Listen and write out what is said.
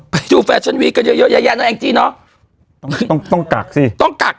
ไปดูแชลก์น้อยที่เยอะต้องกัด